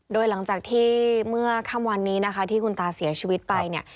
โดยหลังจากที่เมื่อค่ำวันนี้นะคะที่คุณตาเสียชีวิตไปเนี่ย